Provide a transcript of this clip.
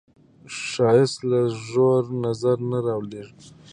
ښایست له ژور نظر نه راولاړیږي